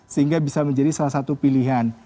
sehingga bisa menjadi salah satu pilihan